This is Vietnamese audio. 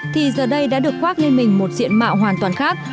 thì giờ đây đã được khoác lên mình một diện mạo hoàn toàn khác